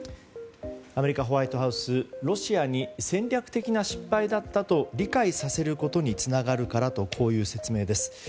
アメリカ、ホワイトハウスロシアに戦略的な失敗だったと理解させることにつながるからという説明です。